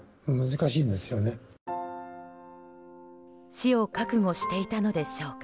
死を覚悟していたのでしょうか。